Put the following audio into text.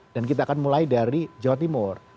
dan kita akan mulai dari jawa timur